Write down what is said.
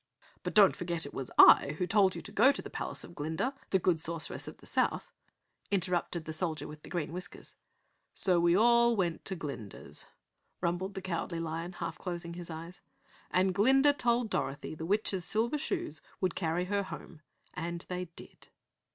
"But don't forget it was I, who told you to go to the palace of Glinda, the Good Sorceress of the South," interrupted the Soldier with Green Whiskers again. "So we all went to Glinda's," rumbled the Cowardly Lion, half closing his eyes. "And Glinda told Dorothy the Witch's silver shoes would carry her home and they did!"